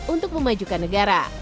untuk memajukan negara